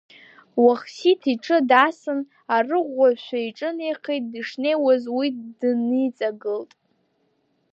Уахсиҭ иҽы даасын, арыӷәӷәашәа иҿынеихеит, дышнеиуаз уи дыниҵагылт.